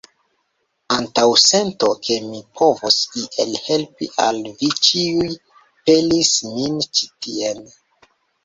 Antaŭsento, ke mi povos iel helpi al vi ĉiuj, pelis min ĉi tien.